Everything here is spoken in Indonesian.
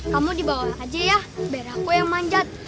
kamu dibawa aja ya biar aku yang manjat